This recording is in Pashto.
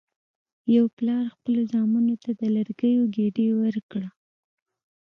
یو پلار خپلو زامنو ته د لرګیو ګېډۍ ورکړه.